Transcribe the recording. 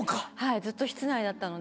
ずっと室内だったので。